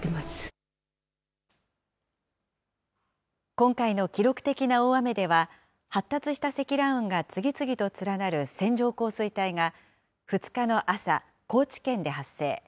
今回の記録的な大雨では、発達した積乱雲が次々と連なる線状降水帯が、２日の朝、高知県で発生。